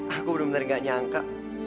aku benar benar gak nyangka